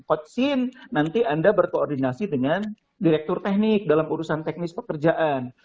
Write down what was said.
coach scene nanti anda berkoordinasi dengan direktur teknik dalam urusan teknis pekerjaan